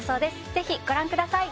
ぜひご覧ください